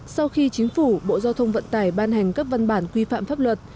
sau khi chính phủ bộ giao thông vận tải ban hành các văn bản quy phạm pháp luật